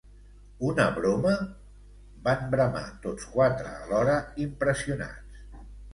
Una broma? —van bramar tots quatre alhora, impressionats.